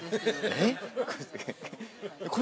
◆えっ？